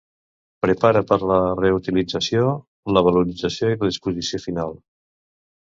Prepara per a la reutilització, la valorització i la disposició final.